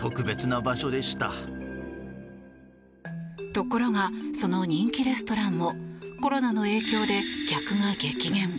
ところがその人気レストランもコロナの影響で客が激減。